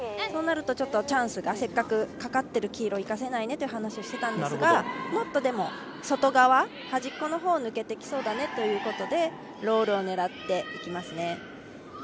そうなると、チャンスのせっかく、かかっている黄色を生かせないねという話をしていたんですがもっと外側、端っこのほうに抜けていきそうということでロールを狙っていきますね。